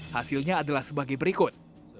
hasilnya adalah sebagai berikut